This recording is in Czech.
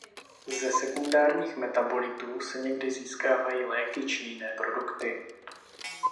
Ze sekundárních metabolitů se někdy získávají léky či jiné produkty.